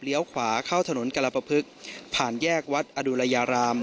ขวาเข้าถนนกรปภึกผ่านแยกวัดอดุลยาราม